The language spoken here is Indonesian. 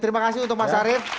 terima kasih untuk mas arief